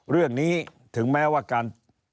เรื่องนี้ถึงแม้ว่าการ